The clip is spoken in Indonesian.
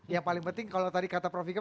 yang paling penting kalau tadi kata prof ikam